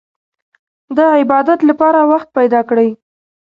د عبادت لپاره وخت پيدا کړئ.